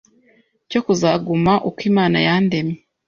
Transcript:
cyo kuzaguma uko Imana yandemye